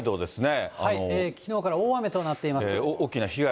きのうから大雨となっています。